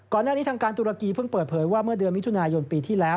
ทางการตุรกีเพิ่งเปิดเผยว่าเมื่อเดือนมิถุนายนปีที่แล้ว